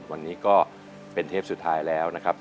วันนี้ก็เป็นเทปสุดท้ายแล้วนะครับ